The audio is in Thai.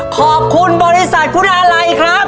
ขอบคุณบริษัทคุณาลัยครับ